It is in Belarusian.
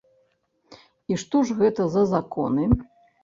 І што ж гэта за законы?